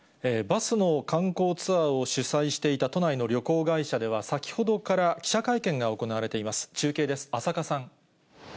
バスの観光ツアーを主催していた都内の旅行会社では先ほどから記者会見が行われています。